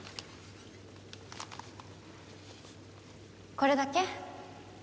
これだけ？